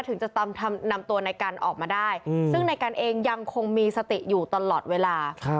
ถึงจะนำตัวนายกันออกมาได้ซึ่งในกันเองยังคงมีสติอยู่ตลอดเวลา